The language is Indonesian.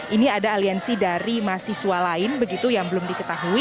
ini ada aliansi dari mahasiswa lain begitu yang belum diketahui